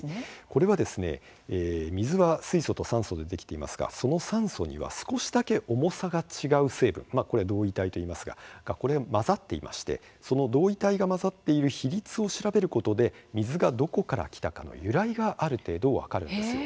これは水は水素と酸素でできていますがその酸素には少しだけ重さが違う成分これは同位体といいますがこれが混ざっていましてその同位体が混ざっている比率を調べることで水がどこから来たかの由来がある程度、分かるんです。